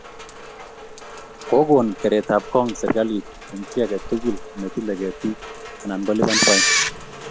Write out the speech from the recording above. Kokon keretab gong serkalit eng chi age tugul ne tilei ketik anan kolipan fain